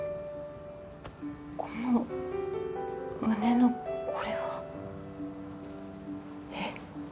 この胸のこれはえっ？